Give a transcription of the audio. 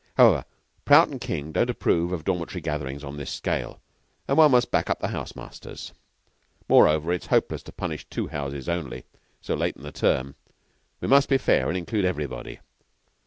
However, Prout and King don't approve of dormitory gatherings on this scale, and one must back up the house masters. Moreover, it's hopeless to punish two houses only, so late in the term. We must be fair and include everybody.